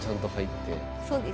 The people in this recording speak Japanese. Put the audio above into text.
そうですね。